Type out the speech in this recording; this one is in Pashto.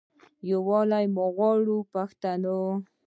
یووالی مو غواړم پښتنو.